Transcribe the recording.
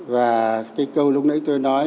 và cái câu lúc nãy tôi nói